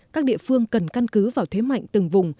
các địa phương cần căn cứ vào thế mạnh từng vùng